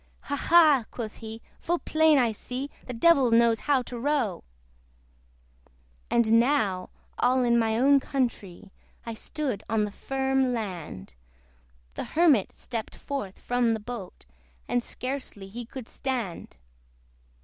"Ha! ha!" quoth he, "full plain I see, The Devil knows how to row." And now, all in my own countree, I stood on the firm land! The Hermit stepped forth from the boat, And scarcely he could stand.